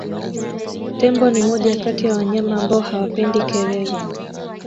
Tembo ni moja kati ya wanyama ambao hawapendi kelele